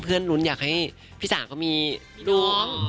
เพื่อนรุ้นอยากให้พี่สาวก็มีน้อง